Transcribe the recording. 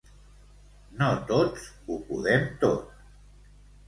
No tots ho podem tot.